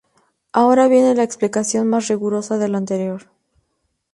Ahora viene la explicación más rigurosa de lo anterior.